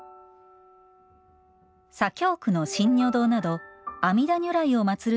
左京区の真如堂など阿弥陀如来を祭る